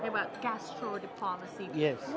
kita berbicara tentang diplomasi gastronomi